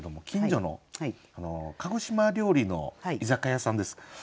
近所の鹿児島料理の居酒屋さんです。